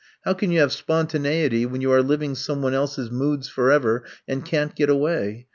How can you have spontaneity when you are living some one else's moods forever and can't get away!